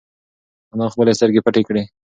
انا خپلې سترگې پټې کړې.